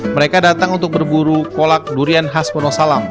mereka datang untuk berburu kolak durian khas wonosalam